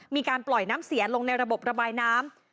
มีการปล่อยน้ำเสียลงในระบบระบายน้ำ